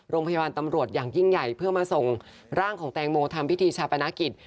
โรงพยาบาลตำรวจอย่างยิ่งใหญ่เพื่อมาส่งร่างของแตงโมทำพิธีชาปนกิจ